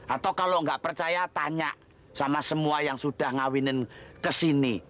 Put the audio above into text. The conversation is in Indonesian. atau kalau nggak percaya tanya sama semua yang sudah ngawinin kesini